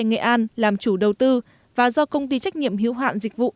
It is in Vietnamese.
nghệ an làm chủ đầu tư và do công ty trách nhiệm hiếu hạn dịch vụ